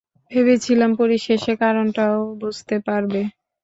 ভেবেছিলাম পরিশেষে কারণটা ও বুঝতে পারবে।